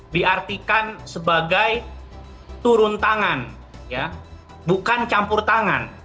diartikan sebagai turun tangan bukan campur tangan